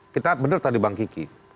kita benar tadi bang kiki